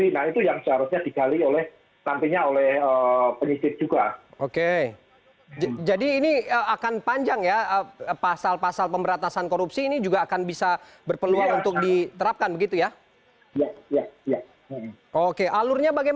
nah itu soal soal teknis sebenarnya